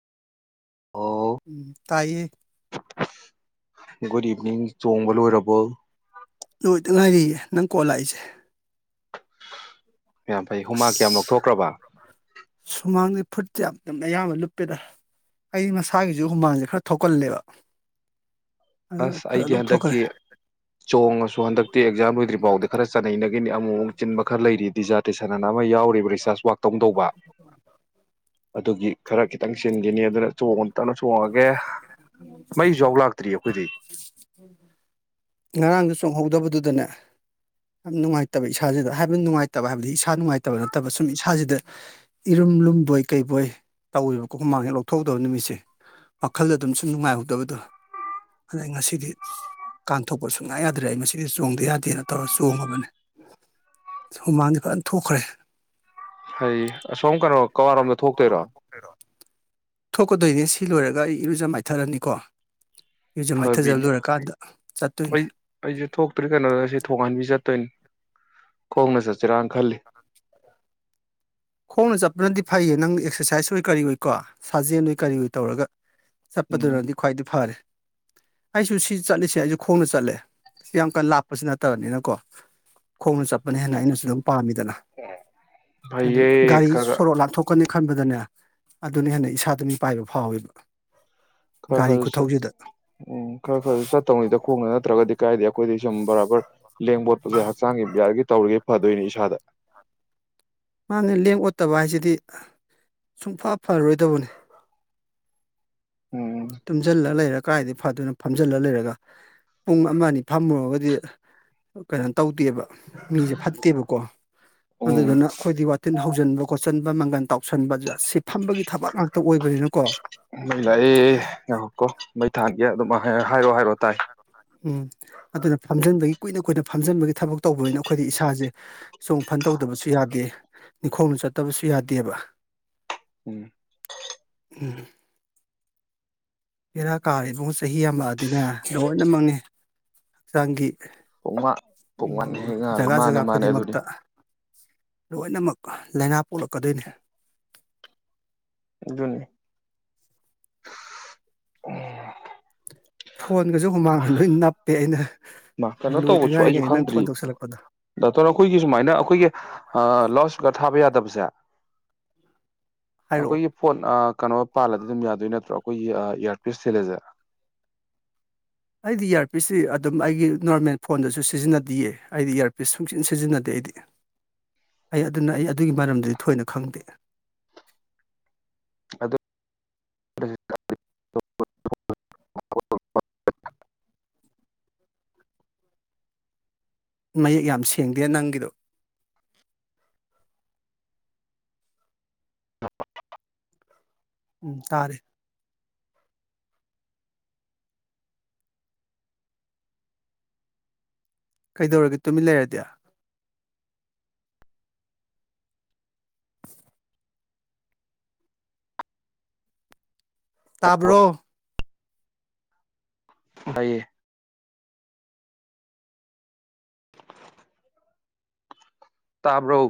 ꯑꯣ ꯎꯝ ꯇꯥꯏꯌꯦ ꯒꯨꯗ ꯏꯚꯤꯅꯤꯡ ꯆꯣꯡꯕ ꯂꯣꯏꯔꯕꯣ ꯂꯣꯏꯗ ꯉꯥꯏꯔꯤꯌꯦ ꯅꯪ ꯀꯣꯜ ꯂꯥꯛꯏꯁꯦ ꯌꯥꯝ ꯐꯩ ꯍꯨꯃꯥꯛ ꯀꯌꯥꯝ ꯑꯁ ꯂꯧꯊꯣꯛꯈ꯭ꯔꯕ ꯐꯨꯠꯇꯤ ꯌꯥꯝ ꯇꯅ ꯑꯌꯥꯝꯕ ꯂꯨꯞꯄꯦꯗ ꯑꯩ ꯃꯁꯥꯒꯤꯁꯨ ꯍꯨꯃꯥꯡꯁꯦ ꯈꯔ ꯊꯣꯛꯀꯜꯂꯦꯕ ꯑꯗꯨꯅ ꯑꯁ ꯐꯖꯅ ꯑꯩꯗꯤ ꯂꯧꯊꯣꯛꯈ꯭ꯔꯦ ꯍꯟꯗꯛꯀꯤ ꯆꯣꯡꯉꯁꯨ ꯗꯨ ꯍꯟꯗꯛꯇꯤ ꯑꯦꯛꯖꯥꯝ ꯂꯣꯏꯗ꯭ꯔꯤꯕꯧꯗꯤ ꯈꯔ ꯆꯠꯅꯩꯩꯅ ꯏꯪꯗ ꯑꯃꯨꯛ ꯑꯃꯨꯛ ꯆꯤꯟꯕ ꯈꯔ ꯂꯩꯔꯤꯗꯤꯖꯥꯠ ꯇꯤꯁꯟꯅ ꯑꯃ ꯌꯥꯎꯔꯤꯕ ꯔꯤꯁꯔꯆ ꯋꯥꯔꯛ ꯇꯧ ꯇꯧꯕ ꯑꯗꯨꯒꯤ ꯈꯔ ꯈꯤꯇꯪ ꯆꯤꯟꯈꯤꯅꯤ ꯑꯗꯨꯅ ꯆꯣꯡ ꯑꯝꯇꯅ ꯇꯅ ꯆꯣꯡꯉꯒꯦ ꯃꯩꯁꯨ ꯌꯥꯎ ꯂꯥꯛꯇ꯭ꯔꯤꯑ ꯉꯔꯥꯡꯗ ꯆꯣꯡꯍꯧ ꯍꯧꯗꯕꯗꯨꯗꯅꯦ ꯌꯥꯝ ꯅꯨꯡꯉꯥꯏꯇꯕ ꯏꯁꯥꯁꯤꯗ ꯍꯥꯏꯕꯗꯤ ꯅꯨꯡꯉꯥꯏꯇꯕ ꯍꯥꯏꯕꯗꯤ ꯏꯁꯥ ꯅꯨꯡꯉꯥꯏꯇꯕ ꯅꯠꯇꯕ ꯁꯨꯝ ꯏꯁꯥꯁꯤꯗ ꯏꯔꯨꯝ ꯂꯨꯝꯕꯣꯏ ꯀꯩꯕꯣꯏ ꯇꯧꯋꯦꯕꯀꯣ ꯍꯨꯃꯥꯡ ꯍꯦꯛ ꯂꯧꯊꯣꯛꯍꯧꯗꯕ ꯅꯨꯃꯤꯠꯁꯦ ꯋꯥꯈꯜꯗ ꯑꯗꯨꯝ ꯁꯨꯝ ꯅꯨꯡꯉꯥꯏꯍꯧꯗꯕꯗꯣ ꯑꯗꯩ ꯉꯁꯤꯗꯤ ꯀꯥꯟꯊꯣꯛꯄ ꯁꯨꯡꯌꯥ ꯌꯥꯗ꯭ꯔꯦ ꯑꯩ ꯑꯁꯤꯗꯤ ꯆꯣꯡꯗ ꯌꯥꯗꯦꯅ ꯇꯧꯔꯒ ꯆꯣꯡꯉꯕꯅꯤ ꯍꯨꯃꯥꯡꯗꯤ ꯐꯖꯅ ꯊꯣꯛꯈ꯭ꯔꯦ ꯍꯩ ꯑꯁꯣꯝ ꯀꯔꯣ ꯀꯥꯋꯥꯔꯣꯝꯗ ꯊꯣꯛꯇꯣꯏꯔꯣ ꯊꯣꯛꯀ ꯗꯨꯏꯅꯦ ꯁꯤ ꯂꯣꯏꯔꯒ ꯑꯩ ꯏꯔꯨꯖ ꯃꯥꯏꯊꯔꯅꯤꯀꯣ ꯏꯔꯨꯖ ꯃꯥꯏꯊꯖ ꯐꯕꯤꯅꯤ ꯂꯣꯏꯔꯀꯥꯟꯗ ꯆꯠꯇꯣꯏꯅꯦ ꯑꯩ ꯑꯩꯁꯦ ꯊꯣꯛꯇ꯭ꯔꯤ ꯀꯩꯅꯣꯗ ꯑꯩꯁꯦ ꯊꯣꯡꯍꯟꯕꯤ ꯆꯠꯇꯣꯏꯅꯤ ꯈꯣꯡꯅ ꯆꯠꯁꯤꯔꯥꯟ ꯈꯜꯂꯤ ꯈꯣꯡꯅ ꯆꯠꯄꯅꯗꯤ ꯐꯩꯌꯦ ꯅꯪ ꯑꯦꯛꯁꯔꯁꯥꯏꯁ ꯑꯣꯏ ꯀꯔꯤ ꯑꯣꯏꯀꯣ ꯁꯥꯖꯦꯜꯑꯣꯏ ꯀꯔꯤꯑꯣꯏ ꯇꯧꯔꯒ ꯎꯝ ꯆꯠꯄꯗꯨꯅꯗꯤ ꯈ꯭ꯋꯥꯏꯗꯤ ꯐꯔꯦ ꯑꯩꯁꯨ ꯁꯤ ꯆꯠꯂꯤꯁꯦ ꯑꯩꯁꯨ ꯈꯣꯡꯅ ꯆꯠꯂꯦ ꯌꯥꯝ ꯀꯟꯅ ꯂꯥꯞꯄꯁꯤ ꯅꯠꯇꯕꯅꯤꯅꯀꯣ ꯈꯣꯡꯅ ꯆꯠꯄꯅꯦ ꯍꯦꯟꯅ ꯑꯩꯅꯁꯨ ꯑꯗꯨꯝ ꯄꯥꯝꯃꯤ ꯗꯅ ꯑꯗꯨꯅꯦ ꯐꯩꯌꯦ ꯒꯥꯔꯤ ꯈꯔ ꯁꯣꯔꯣꯛ ꯂꯥꯟꯊꯣꯛ ꯀꯅꯤ ꯈꯟꯕꯗꯅꯦ ꯑꯗꯨꯅ ꯍꯦꯟꯅ ꯏꯁꯥꯗꯨ ꯃꯤꯄꯥꯏꯕ ꯐꯥꯎꯋꯦꯕ ꯈꯔ ꯒꯥꯔꯤ ꯈꯔ ꯆꯠ ꯈꯨꯊꯧꯁꯤꯗ ꯎꯝ ꯈꯔ ꯈꯔꯁꯨ ꯆꯠꯇꯧꯅꯤꯗ ꯈꯣꯡꯅ ꯅꯠꯇ꯭ꯔꯒꯗꯤ ꯀꯥꯏꯗ ꯀꯣꯏ ꯁꯨꯝ ꯕꯔꯥꯕꯔ ꯂꯦꯡꯕꯣꯠꯄꯁꯦ ꯍꯛꯆꯥꯡꯒꯤ ꯕꯤꯌꯔꯒꯤ ꯇꯧꯔꯤꯒ ꯐꯗꯣꯏꯅꯤ ꯏꯁꯥꯗ ꯃꯥꯅꯦ ꯂꯦꯡ ꯑꯣꯠꯇꯕ ꯍꯥꯏꯁꯤꯗꯤ ꯁꯨꯡꯐ ꯐꯔꯔꯣꯏꯗꯧꯕꯅꯤ ꯎꯝ ꯇꯨꯝꯖꯜꯂ ꯂꯩꯔ ꯀꯥꯏꯗꯩ ꯐꯗꯣꯏꯅꯣ ꯐꯝꯖꯤꯜꯂ ꯂꯩꯔꯒ ꯄꯨꯡ ꯑꯃ ꯑꯅꯤ ꯐꯝꯃꯨꯔꯒꯗꯤ ꯀꯩꯅꯣ ꯇꯧ ꯇꯦꯕ ꯃꯤꯁꯦ ꯐꯠꯇꯦꯕꯀꯣ ꯎꯝ ꯑꯗꯨꯗꯨꯅ ꯑꯩꯈꯣꯏꯗꯤ ꯋꯥꯇꯤꯟ ꯍꯧꯖꯤꯟꯕ ꯈꯣꯠ ꯆꯟꯕ ꯃꯪꯒꯟ ꯇꯥꯎꯁꯟꯕ ꯁꯤ ꯐꯝꯕꯒꯤ ꯊꯕꯛ ꯉꯥꯛꯇ ꯑꯣꯏꯕꯅꯤꯅꯀꯣ ꯃꯩ ꯂꯥꯛꯑꯦ ꯉꯥꯏꯈꯣꯀꯣ ꯃꯩ ꯊꯥꯟꯒꯦ ꯑꯗꯨꯝ ꯍꯥꯏꯔꯣ ꯍꯥꯏꯔꯣ ꯇꯥꯏ ꯎꯝ ꯑꯗꯨꯅ ꯐꯝꯖꯟꯕꯒꯤ ꯀꯨꯏꯅ ꯀꯨꯏꯅ ꯐꯝꯖꯟꯕꯒꯤ ꯊꯕꯛ ꯇꯧꯕꯅꯤꯅ ꯑꯩꯈꯣꯏꯗꯤ ꯏꯁꯥꯁꯦ ꯆꯣꯡ ꯐꯟ ꯇꯧꯗꯕꯁꯨ ꯌꯥꯗꯦ ꯅꯤꯡꯈꯣꯡꯅ ꯆꯠꯇꯕꯁꯨ ꯌꯥꯗꯦꯕ ꯎꯝ ꯎꯝ ꯕꯦꯔꯥ ꯀꯥꯔꯦ ꯏꯕꯨꯡꯉꯣ ꯆꯍꯤ ꯌꯝꯃꯛꯑꯗꯤꯅꯦ ꯂꯣꯏꯅꯃꯛꯅꯤ ꯍꯛꯆꯥꯡꯒꯤ ꯄꯨꯡꯃ ꯄꯨꯡ ꯃꯅꯦ ꯍꯦꯛ ꯉꯥꯜꯂꯦ ꯖꯒꯥ ꯃꯅꯦ ꯖꯒꯥ ꯃꯅꯦ ꯑꯗꯨꯅꯦ ꯈꯨꯗꯤꯡꯃꯛꯇ ꯂꯣꯏꯅꯃꯛ ꯂꯥꯏꯅꯥ ꯄꯣꯛꯂꯛꯀꯗꯣꯏꯅꯤ ꯑꯗꯨꯅꯤ ꯎꯝ ꯐꯣꯟꯒꯁꯨ ꯍꯨꯃꯥꯡꯗ ꯂꯣꯏ ꯅꯞꯄꯦ ꯑꯩꯅ ꯀꯩꯅꯣ ꯇꯧꯕ ꯂꯣꯏꯗ ꯑꯩꯁꯨ ꯉꯥꯏꯔꯤꯉꯩꯗ ꯅꯪ ꯐꯣꯟ ꯈꯪꯗ꯭ꯔꯤꯌꯦ ꯇꯧꯁꯜꯂꯛꯄꯗꯣ ꯗꯇꯣꯟ ꯑꯩꯈꯣꯏꯒꯤ ꯁꯨꯃꯥꯏꯅ ꯑꯩꯈꯣꯏꯒꯤ ꯑ ꯂꯥꯎꯠ ꯏꯁꯄꯤꯀꯔ ꯊꯥ ꯕ [inaudible] ꯌꯥꯗꯕꯁꯦ ꯍꯥꯏꯔꯛꯑꯣ ꯑꯩꯈꯣꯏꯒꯤ ꯐꯣꯟ ꯑꯥ ꯀꯩꯅꯣ ꯄꯥꯜꯂꯗꯤ ꯑꯗꯨꯝ ꯌꯥꯗꯣꯏ ꯅꯠꯇ꯭ꯔꯣ ꯑꯩꯈꯣꯏꯒꯤ ꯏꯌꯥꯔꯄꯤꯁ ꯊꯤꯜꯂꯤꯁꯦ ꯑꯩꯗꯤ ꯏꯌꯥꯔꯄꯤꯁꯁꯤ ꯑꯗꯨꯝ ꯑꯩꯒꯤ ꯅꯣꯔꯃꯦꯜ ꯐꯣꯟꯗꯁꯨ ꯁꯤꯖꯤꯟꯅꯗꯌꯦ ꯑꯩꯗꯤ ꯏꯌꯥꯔꯄꯤꯁ ꯁꯨꯡꯆꯤꯟ ꯁꯤꯖꯤꯟꯅꯗꯦ ꯑꯩꯗꯤ ꯑꯩ ꯑꯗꯨꯅ ꯑꯩ ꯑꯗꯨꯒꯤ ꯃꯔꯝꯗꯗꯤ ꯊꯣꯏꯅ ꯈꯪꯗꯦ ꯑꯗꯨ [inaudible] ꯃꯌꯦꯛ ꯌꯥꯝ ꯁꯦꯡꯗꯦ ꯅꯪꯒꯤꯗꯣ ꯎꯝ ꯇꯥꯔꯦ ꯀꯩꯗꯧꯔꯒꯦ ꯇꯨꯃꯤꯟ ꯂꯩꯔꯗꯤ ꯇꯥꯕ꯭ꯔꯣ ꯇꯏꯌꯦ ꯇꯥꯕ꯭ꯔꯣ